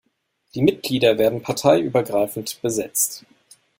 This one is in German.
Die Mitglieder werden parteiübergreifend besetzt.